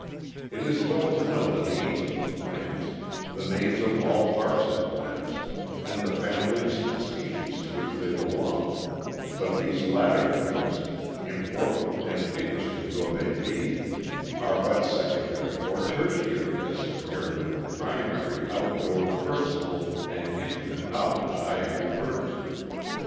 It is well to know the names of the plants, the names of all parts of plants, and the families and species to which they belong, but these latter things, important and interesting though they be, are but secondary or tertiary as compared with the primary out door personal and intimate knowledge I have referred to.